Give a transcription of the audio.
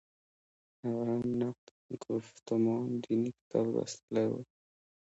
هغه هم نقد ګفتمان دیني کتاب لوستلی و.